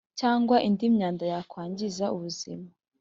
cyangwa indi myanda yakwangiza ubuzima